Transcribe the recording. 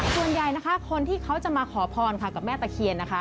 ส่วนใหญ่นะคะคนที่เขาจะมาขอพรค่ะกับแม่ตะเคียนนะคะ